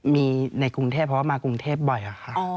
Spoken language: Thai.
มีในกรุงเทพเพราะว่ามากรุงเทพบ่อยค่ะ